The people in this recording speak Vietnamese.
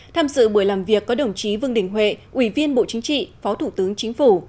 tham dự buổi làm việc có đồng chí vương đình huệ ủy viên bộ chính trị phó thủ tướng chính phủ